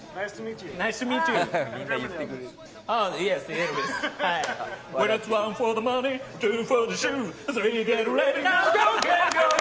ナイストゥミーチュー。